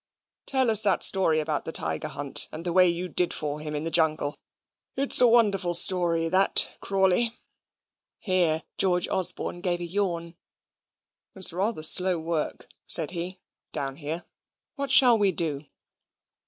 Tell us that story about the tiger hunt, and the way you did for him in the jungle it's a wonderful story that, Crawley." Here George Osborne gave a yawn. "It's rather slow work," said he, "down here; what shall we do?"